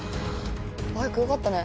バイクよかったね。